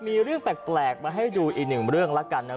มีเรื่องแปลกมาให้ดูอีกหนึ่งเรื่องแล้วกันนะ